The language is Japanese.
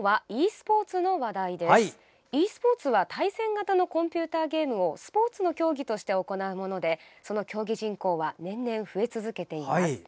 ｅスポーツは対戦型のコンピューターゲームをスポーツの競技として行うものでその競技人口は年々増え続けています。